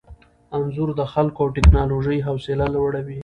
انځور د خلکو او ټیکنالوژۍ حوصله لوړوي.